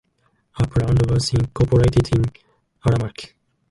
Upland was incorporated into Aramac.